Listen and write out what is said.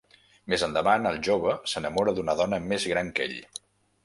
Més endavant, el jove s'enamora d'una dona més gran que ell.